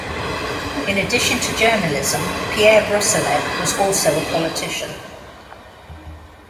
In addition to journalism, Pierre Brossolette was also a politician.